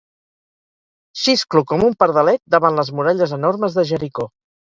Xisclo com un pardalet davant les muralles enormes de Jericó.